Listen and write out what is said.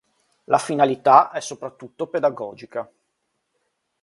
La finalità è soprattutto pedagogica.